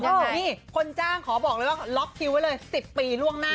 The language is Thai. นี่คนจ้างขอบอกเลยว่าล็อกคิวไว้เลย๑๐ปีล่วงหน้า